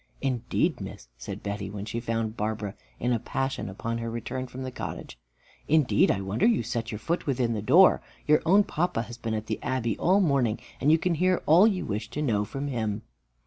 "Indeed, miss," said Betty, when she found Barbara in a passion upon her return from the cottage, "indeed I wonder you set your foot within the door. Your own papa has been at the Abbey all morning, and you can hear all you wish to know from him."